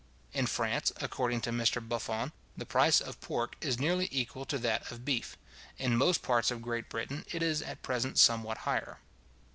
In France, according to Mr Buffon, the price of pork is nearly equal to that of beef. In most parts of Great Britain it is at present somewhat higher.